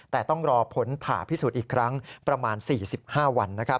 แต่ต้องรอผลผ่าพิสูจน์อีกครั้งประมาณ๔๕วัน